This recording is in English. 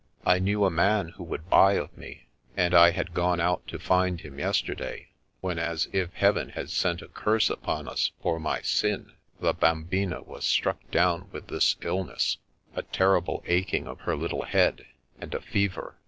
I knew a man who would buy of me, and I had gone out to find him yesterday, when, as if Heaven had sent a curse upon us for my sin, the bambina was struck down with this illness — a ter rible aching of her little head, and a fever.